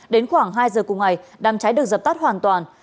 đến khoảng hai giờ cùng ngày đám cháy được dập tắt hoàn toàn